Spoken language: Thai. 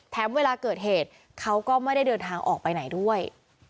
เวลาเกิดเหตุเขาก็ไม่ได้เดินทางออกไปไหนด้วย